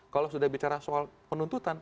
kalau sudah bicara soal penuntutan